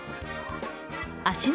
芦ノ